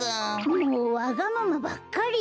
もうわがままばっかり！